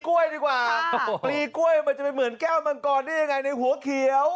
กล้วยดีกว่าปลีกล้วยมันจะไปเหมือนแก้วมังกรได้ยังไงในหัวเขียว